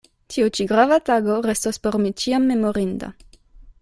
Tiu ĉi grava tago restos por mi ĉiam memorinda.